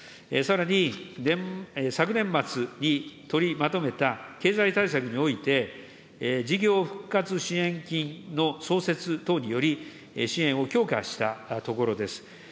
さらに、昨年末に取りまとめた経済対策において、事業復活支援金の創設等により、支援を強化したところです。